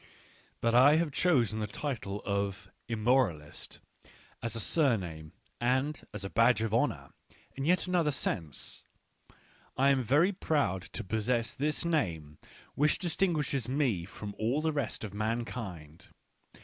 But I have chosen the title of Immoral is t as a surname and as a badge of honour in yet another sense ; I am very proud to possess this name which distinguishes me from all the rest of mankind.